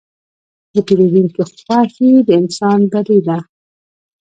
د پیرودونکي خوښي د انسان بری ده.